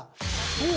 そう！